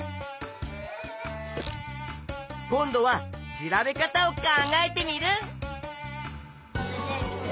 今度は調べ方を考えテミルン！